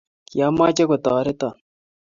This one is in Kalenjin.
kiameche kotoreton